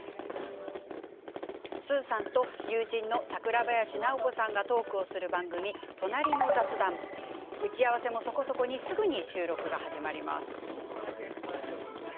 スーさんと友人の桜林直子さんがトークをする番組「となりの雑談」。打ち合わせもそこそこにすぐに収録が始まります。